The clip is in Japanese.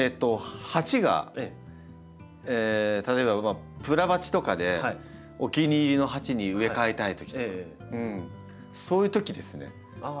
鉢が例えばプラ鉢とかでお気に入りの鉢に植え替えたいときとかそういうときですね。